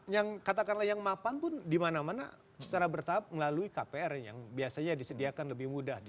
yang katakanlah yang mapan pun dimana mana secara bertahap melalui kpr yang biasanya disediakan lebih mudah